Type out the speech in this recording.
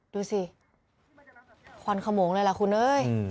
ดูสิควันขโมงเลยล่ะคุณเอ้ย